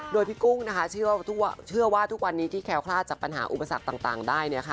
โดยพี่กุ้งนะคะเชื่อว่าทุกวันนี้ที่แคล้วคลาดจากปัญหาอุปสรรคต่างได้